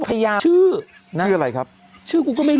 นางจับหัวไว้